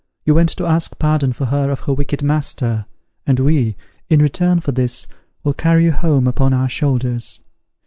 You went to ask pardon for her of her wicked master; and we, in return for this, will carry you home upon our shoulders."